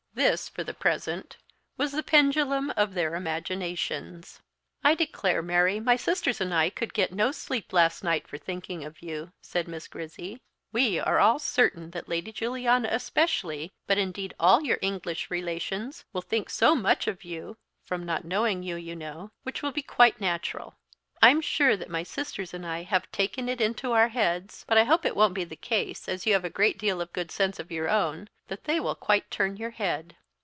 This, for the present, was the pendulum of their imaginations. "I declare, Mary, my sisters and I could get no sleep last night for thinking of you," said Miss Grizzy; "we are all certain that Lady Juliana especially, but indeed all your English relations, will think so much of you from not knowing you, you know which will be quite natural. I'm sure that my sisters and I have taken it into our heads but I hope it won't be the case, as you have a great deal of good sense of your own that they will quite turn your head."